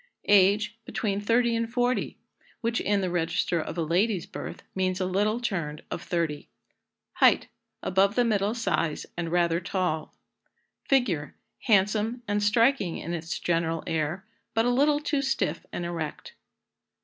Age. Between 30 and 40, which, in the register of a lady's birth, means a little turned of 30. Height. Above the middle size, and rather tall. Figure. Handsome, and striking in its general air, but a little too stiff and erect.